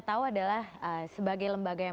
tahu adalah sebagai lembaga yang